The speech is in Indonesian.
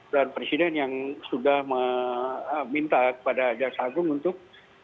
dan presiden yang sudah meminta kepada jaksa agung untuk